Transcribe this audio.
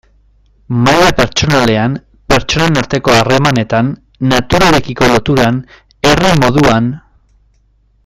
Maila pertsonalean, pertsonen arteko harremanetan, naturarekiko loturan, herri moduan...